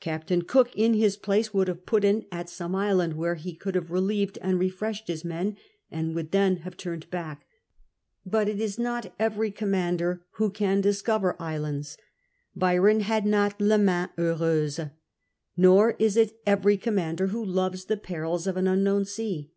Captain Cook, in his place, would have put in at some island Avhere he could iiave relieved and refreshed his men, and would then have turned back. But it is not every commander who can discover islands; Byron had not la wain heureme. Nor is it every commander who loves the penis of an unknown sea.